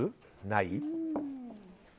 ない？